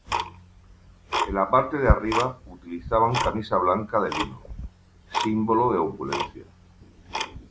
En la parte de arriba utilizaban camisa blanca de lino, símbolo de opulencia.